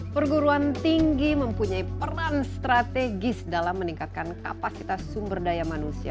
perguruan tinggi mempunyai peran strategis dalam meningkatkan kapasitas sumber daya manusia